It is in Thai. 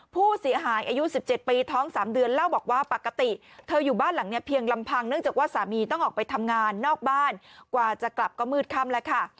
ผู้เสียหายอายุ๑๗ปีท้อง๓เดือนเล่าบอกว่าปกติเธออยู่บ้านหลังนี้เพียงลำพังเนื่องจากว่าสามีต้องออกไปทำงานนอกบ้านกว่าจะกลับก็มืดค่ำแล้วค่ะ